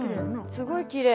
すごいきれい。